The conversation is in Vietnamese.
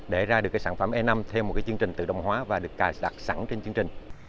để ra được cái sản phẩm e năm theo một chương trình tự động hóa và được cài đặt sẵn trên chương trình